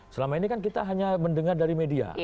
selama ini kan kita hanya mendengar dari media